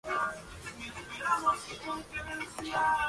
Muestra al pontífice en un medallón, rodeado de figuras como el dios Tíber.